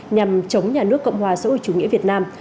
nhằm chống nhà nước cộng hòa xã hội chủ nghĩa việt nam